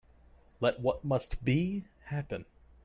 Let what must be, happen.